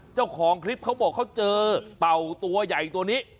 เจ้าของคลิปเขาบอกเขาเจอเต่าตัวใหญ่ตัวนี้